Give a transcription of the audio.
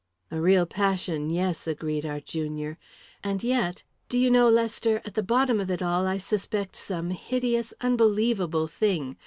"A real passion yes," agreed our junior. "And yet do you know, Lester, at the bottom of it all, I suspect some hideous, unbelievable thing.